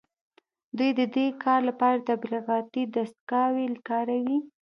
دوی د دې کار لپاره تبلیغاتي دستګاوې کاروي